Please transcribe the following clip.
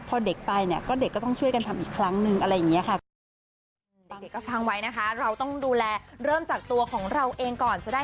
พอเด็กไปเด็กก็ต้องช่วยกันทำอีกครั้งหนึ่ง